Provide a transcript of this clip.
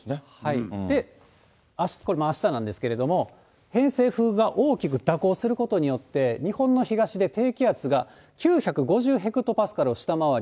これ、あしたなんですけど、偏西風が大きく蛇行することによって、日本の東で低気圧が９５０ヘクトパスカルを下回り。